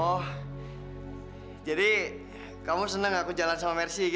oh jadi kamu senang aku jalan sama mercy gitu